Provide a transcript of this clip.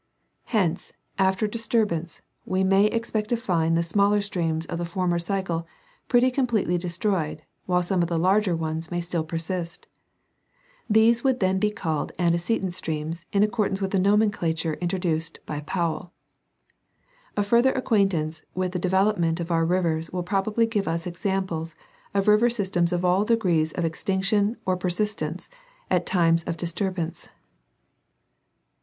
Hence, after a disturbance, we may expect to find the smaller streams of the former cycle pretty completely destroyed, while some of the larger ones may still persist ; these would then be called antecedent streams in accordance with the nomenclature introduced by Powell.* A fuller acquaintance with the develop ment of our rivers will probably give us examples of river sys tems of all degrees of extinction or persistence at times of dis turbance.